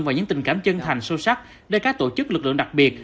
và những tình cảm chân thành sâu sắc để các tổ chức lực lượng đặc biệt